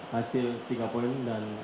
hasil tiga poin dan